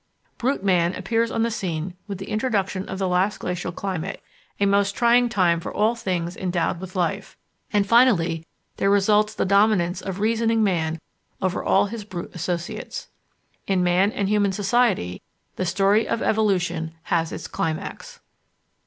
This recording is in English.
Brute man appears on the scene with the introduction of the last glacial climate, a most trying time for all things endowed with life, and finally there results the dominance of reasoning man over all his brute associates." In man and human society the story of evolution has its climax.